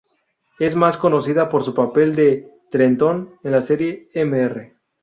Es más conocida por su papel de Trenton en la serie Mr.